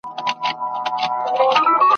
ملاجان ته پته نه وه چي د چا سي !.